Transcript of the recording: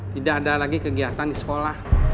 tidak ada lagi kegiatan di sekolah